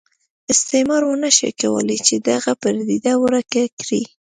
استعمار ونه شوای کولای چې دغه پدیده ورکه کړي.